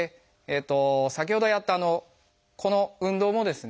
先ほどやったこの運動もです